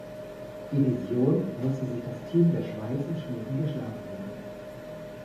Division musste sich das Team der Schweiz und Schweden geschlagen geben.